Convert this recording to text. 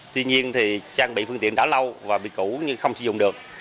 tuy nhiên thì trang bị phương tiện đã lâu và bị cũ nhưng không sử dụng được